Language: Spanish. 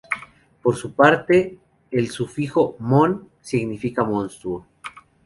Por su parte, el sufijo "mon" significa monstruo.